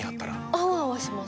アワアワします